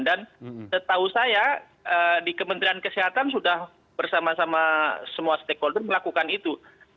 dan setahu saya di kementerian kesehatan sudah bersama sama semua stakeholder melakukan itu